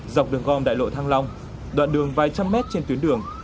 dọc đường gom đại lộ thăng long đoạn đường vài trăm mét trên tuyến đường